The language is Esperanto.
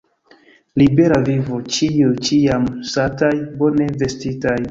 Libera vivo, ĉiuj ĉiam sataj, bone vestitaj!